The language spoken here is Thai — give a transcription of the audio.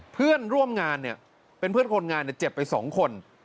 เพื่อนร่วมงานเนี่ยเป็นเพื่อนคนงานเจ็บไป๒คน